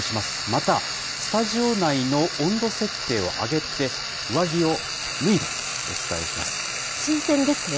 また、スタジオ内の温度設定を上げて、上着を脱いで、お伝えしま新鮮ですね。